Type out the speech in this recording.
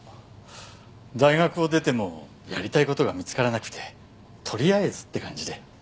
大学を出てもやりたい事が見つからなくてとりあえずって感じで。